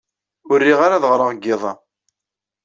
Ur riɣ ara ad ɣṛeɣ deg yiḍ-a.